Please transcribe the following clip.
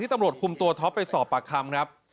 ตำรวจคุมตัวท็อปไปสอบปากคำครับ